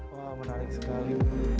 wah menarik sekali